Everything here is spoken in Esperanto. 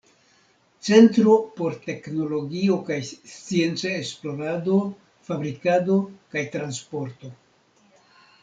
Centro por teknologio kaj scienca esplorado, fabrikado kaj transporto.